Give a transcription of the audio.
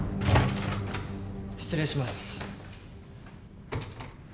失礼します。